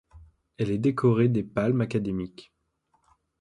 Elle est décorée des Palmes académiques.